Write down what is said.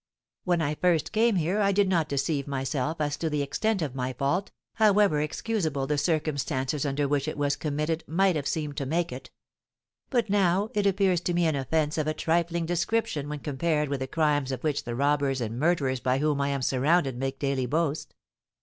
When I first came here I did not deceive myself as to the extent of my fault, however excusable the circumstances under which it was committed might have seemed to make it; but now it appears to me an offence of a trifling description when compared with the crimes of which the robbers and murderers by whom I am surrounded make daily boast.